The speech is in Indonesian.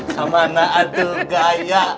sama anak adu gaya